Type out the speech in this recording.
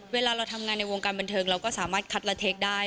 เวลาเราทำงานในวงการบันเทิงเราก็สามารถคัดละเทคได้